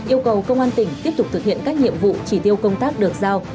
yêu cầu công an tỉnh tiếp tục thực hiện các nhiệm vụ chỉ tiêu công tác được giao